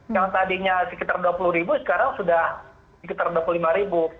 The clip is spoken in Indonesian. yang tadinya sekitar rp dua puluh sekarang sudah sekitar rp dua puluh lima